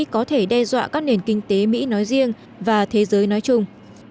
có thể đe dọa các nền kinh tế mỹ nói riêng và thế giới nói chung